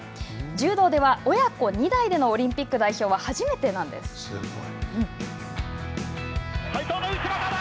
柔道では親子２代でのオリンピック代表は斉藤の内股だ！